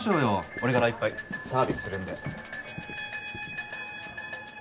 俺から１杯サービスするんで。